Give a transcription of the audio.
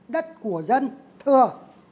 đất của dân thừa